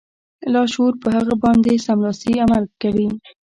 لاشعور په هغه باندې سملاسي عمل کوي